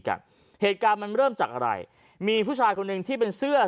กันเหตุการณ์มันเริ่มจากอะไรมีผู้ชายคนหนึ่งที่เป็นเสื้อ